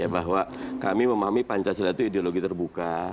bahwa kami memahami pancasila itu ideologi terbuka